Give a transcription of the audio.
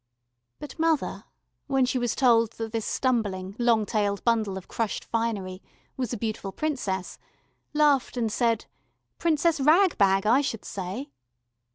But mother, when she was told that this stumbling, long tailed bundle of crushed finery was a beautiful Princess, laughed and said, "Princess Rag Bag, I should say."